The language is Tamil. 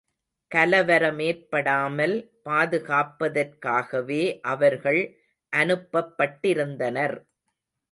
கலவரமேற்படாமல் பாதுகாப்பதற்காகவே அவர்கள் அனுப்பப்பட்டிருந்தனர்.